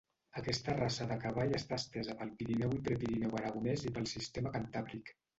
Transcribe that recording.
Aquesta raça de cavall està estesa pel Pirineu i Prepirineu aragonès i pel Sistema Cantàbric.